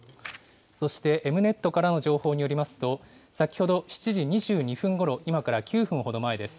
そしてＥｍ−Ｎｅｔからの情報によりますと、先ほど７時２２分ごろ、今から９分ほど前です。